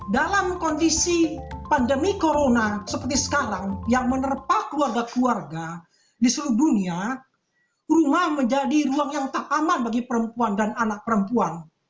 dalam kondisi pandemi corona seperti sekarang yang menerpah keluarga keluarga di seluruh dunia rumah menjadi ruang yang tak aman bagi perempuan dan anak perempuan